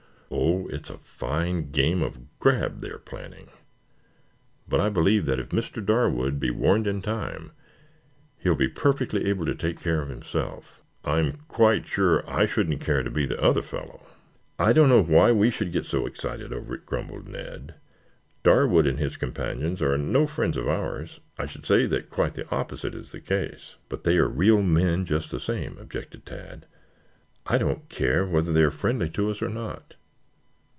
Oh, it is a fine game of grab they are planning! But I believe that, if Mr. Darwood be warned in time, he will be perfectly able to take care of himself. I am quite sure I shouldn't care to be the other fellow." "I don't know why we should get so excited over it," grumbled Ned. "Darwood and his companions are no friends of ours. I should say that quite the opposite is the case." "But they are real men, just the same," objected Tad. "I don't care whether they are friendly to us or not.